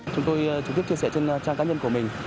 chúng tôi trực tiếp chia sẻ trên trang cá nhân của mình